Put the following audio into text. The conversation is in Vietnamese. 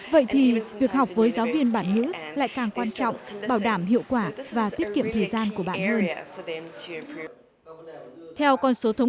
vậy thì việc học với giáo viên bản ngữ lại càng quan trọng bảo đảm hiệu quả và tiết kiệm thời gian của bạn hơn